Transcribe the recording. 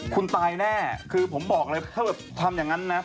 คุณตายแน่คือผมบอกเลยถ้าเกิดทำอย่างนั้นนะ